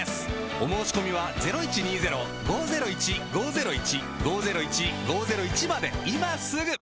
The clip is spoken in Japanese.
お申込みは今すぐ！